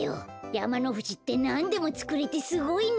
やまのふじってなんでもつくれてすごいね。